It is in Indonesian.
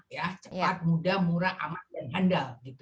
ya cepat mudah murah aman dan handal